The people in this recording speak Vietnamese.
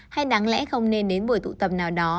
hay đáng lẽ không nên đến buổi tụ tập nào đó